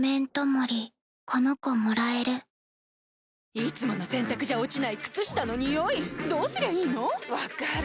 いつもの洗たくじゃ落ちない靴下のニオイどうすりゃいいの⁉分かる。